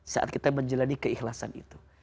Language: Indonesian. saat kita menjalani keikhlasan itu